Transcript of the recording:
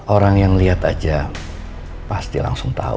orang yang liat aja pasti langsung tau